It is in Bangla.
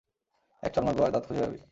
এক চড় মারব আর দাঁত খুঁজে বেড়াবি।